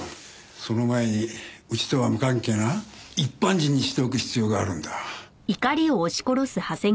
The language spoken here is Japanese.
その前にうちとは無関係な一般人にしておく必要があるんだ。